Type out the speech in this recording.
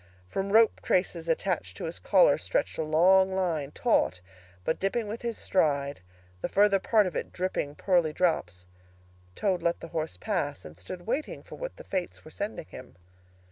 From rope traces attached to his collar stretched a long line, taut, but dipping with his stride, the further part of it dripping pearly drops. Toad let the horse pass, and stood waiting for what the fates were sending him.